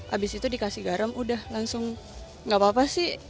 habis itu dikasih garam udah langsung nggak apa apa sih